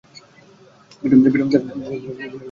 বিনয় কহিল, সে অনেক কথা।